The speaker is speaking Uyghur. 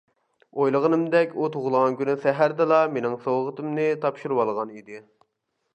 ئويلىغىنىمدەك ئۇ تۇغۇلغان كۈنى سەھەردىلا مىنىڭ سوۋغىتىمنى تاپشۇرۇۋالغان ئىدى.